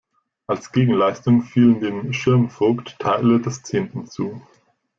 Als Gegenleistung fielen dem Schirmvogt Teile des Zehnten zu.